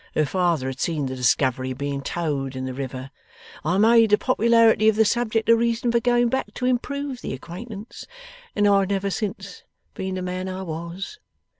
Her father had seen the discovery being towed in the river. I made the popularity of the subject a reason for going back to improve the acquaintance, and I have never since been the man I was.